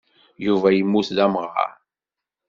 Yuba yemmut d amɣar.